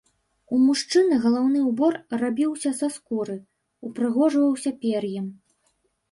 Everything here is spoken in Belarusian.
У мужчын галаўны ўбор рабіўся са скуры, упрыгожваўся пер'ем.